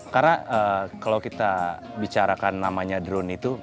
karena kalau kita bicarakan namanya drone itu